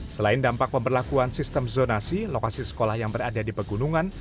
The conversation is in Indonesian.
selain dampak pemberlakuan sistem zonasi lokasi sekolah yang berada di pegunungan